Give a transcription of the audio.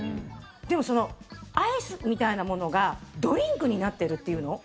でも、アイスみたいなものがドリンクになってるっていうの？